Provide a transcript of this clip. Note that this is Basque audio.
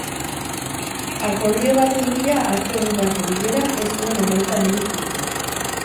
Akordio baten bila atzo egindako bilerak ez zuen emaitza handirik utzi.